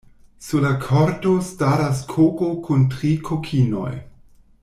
Sur la korto staras koko kun tri kokinoj.